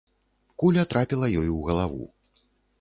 Куля трапіла ёй у галаву.